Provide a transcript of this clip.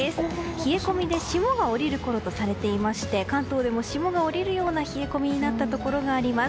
冷え込みで霜が降りるころとされていまして関東でも霜が降りるような冷え込みになったところもあります。